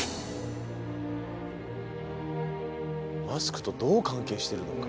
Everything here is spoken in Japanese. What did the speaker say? マスクとどう関係してるのか。